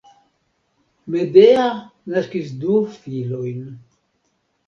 Medea naskis du filojn.